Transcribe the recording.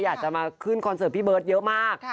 อยากจะมาขึ้นคอนเสิร์ตพี่เบิร์ตเยอะมาก